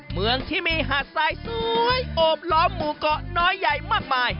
เมืองที่มีหาดทรายสวยโอบล้อมหมู่เกาะน้อยใหญ่มากมาย